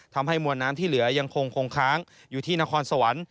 ทำให้มวลน้ำที่เหลือยังคงค้างอยู่ที่นครสวรรค์